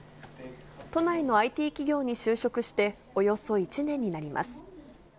都内のＩＴ企業に就職して、およそ１年になります。